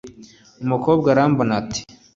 umukobwa arambona, ati: